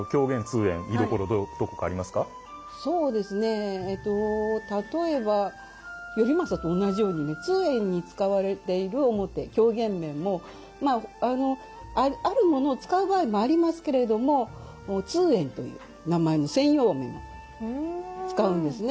ええと例えば「頼政」とおんなじようにね「通圓」に使われている面狂言面もあるものを使う場合もありますけれども「通圓」という名前の専用面使うんですね。